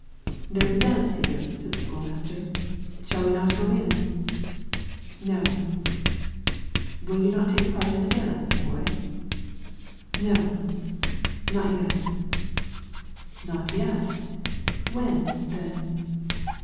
"There is a dance here," said the school master; "shall we not go in?" "No." "Will you not take part in a dance, boy?" "No; not yet." "Not yet? When, then?"